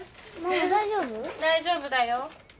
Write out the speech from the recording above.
大丈夫だよ。